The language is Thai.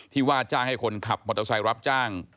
ว่าจ้างให้คนขับมอเตอร์ไซค์รับจ้าง